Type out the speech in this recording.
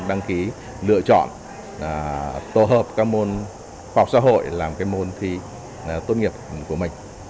đăng ký lựa chọn tổ hợp các môn khoa học xã hội làm môn thi tốt nghiệp của mình